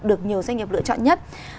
được nhiều doanh nghiệp lựa chọn nhất